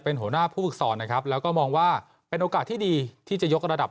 เป็นหัวหน้าผู้ฝึกสอนนะครับแล้วก็มองว่าเป็นโอกาสที่ดีที่จะยกระดับ